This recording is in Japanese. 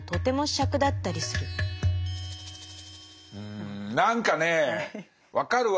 ん何かねえ分かるわ！